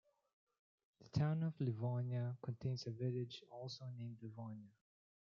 The Town of Livonia contains a village also named Livonia.